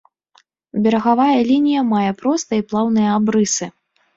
Берагавая лінія мае простыя і плаўныя абрысы.